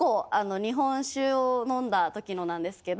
日本酒を飲んだときのなんですけど。